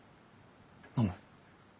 飲む？